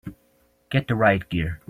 Get the riot gear!